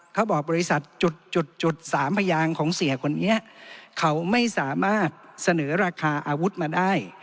บริษัทจุดสามพยางของเสียคนนี้เขาไม่สามารถเสนอราคาอาวุธมาได้